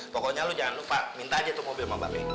pokoknya lu jangan lupa minta aja tuh mobil sama mbak peggy